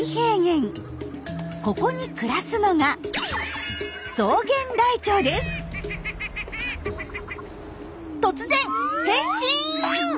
ここに暮らすのが突然変身！